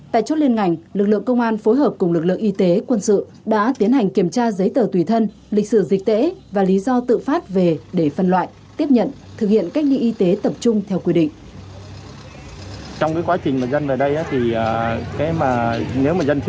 tại chốt liên ngành lực lượng công an phối hợp cùng lực lượng y tế quân sự đã tiến hành kiểm tra giấy tờ tùy thân lịch sử dịch tễ và lý do tự phát về để phân loại tiếp nhận thực hiện cách ly y tế tập trung theo quy định